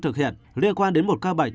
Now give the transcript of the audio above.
thực hiện liên quan đến một ca bệnh